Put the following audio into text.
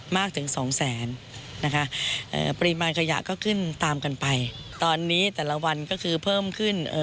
มากถึงสองแสนนะคะเอ่อปริมาณขยะก็ขึ้นตามกันไปตอนนี้แต่ละวันก็คือเพิ่มขึ้นเอ่อ